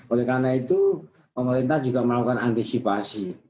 oleh karena itu pemerintah juga melakukan antisipasi